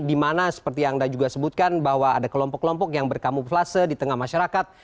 di mana seperti yang anda juga sebutkan bahwa ada kelompok kelompok yang berkamuflase di tengah masyarakat